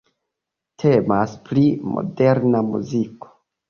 Temas pri Moderna muziko.